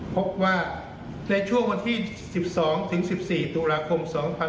พบว่าในช่วงวันที่๑๒๑๔ตุลาคม๒๕๖๒